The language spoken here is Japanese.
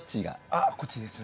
あっこっちですね。